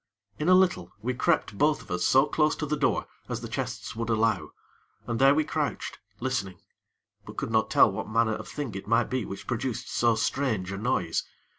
In a little, we crept both of us so close to the door as the chests would allow, and there we crouched, listening; but could not tell what manner of thing it might be which produced so strange a noise.